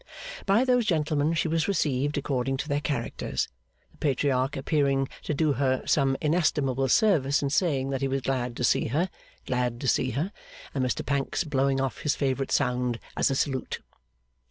By those gentlemen she was received according to their characters; the Patriarch appearing to do her some inestimable service in saying that he was glad to see her, glad to see her; and Mr Pancks blowing off his favourite sound as a salute.